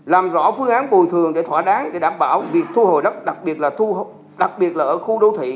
làm rõ phương án bồi thường để thỏa đáng để đảm bảo việc thu hồi đất đặc biệt là ở khu đô thị